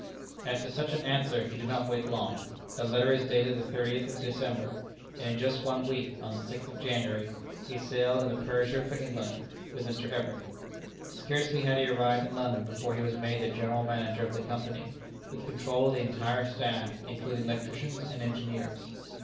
After such an answer he did not wait long. The letter is dated the thirtieth of December, and in just one week, on the sixth of January, he sailed in the Persia for England with Mr. Everett. Scarcely had he arrived in London before he was made the General Manager of the Company, with control of the entire staff, including electricians and engineers.